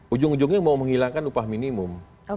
ujung ujungnya mau menghilangkan upah minimum